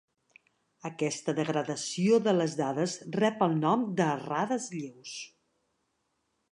Aquesta degradació de les dades rep el nom de errades lleus.